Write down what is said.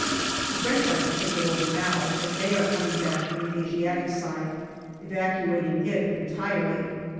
The French are to take it over now, as they are coming back from the Asiatic side, evacuating it entirely.